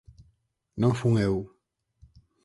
Non fun eu.